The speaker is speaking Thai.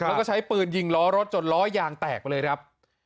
แล้วก็ใช้ปืนยิงล้อรถจนล้อยางแตกไปเลยครับ